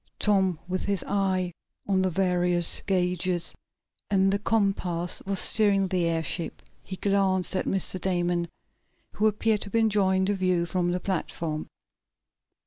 Tom, with his eye on the various gauges and the compass, was steering the airship. He glanced at Mr. Damon, who appeared to be enjoying the view from the platform.